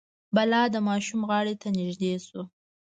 بلا د ماشوم غاړې ته نژدې شو.